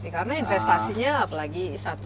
karena investasinya apalagi satu